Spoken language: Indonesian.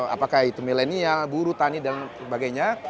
apakah itu millennial buru tani dan sebagainya